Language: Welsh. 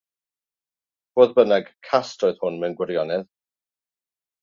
Fodd bynnag, cast oedd hwn mewn gwirionedd.